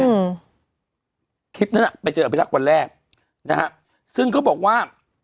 อืมคลิปนั้นอ่ะไปเจออภิรักษ์วันแรกนะฮะซึ่งเขาบอกว่า